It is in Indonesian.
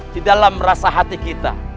di dalam rasa hati kita